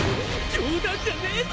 冗談じゃねえぞ！